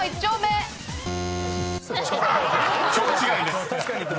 ［「ちょう」違いです］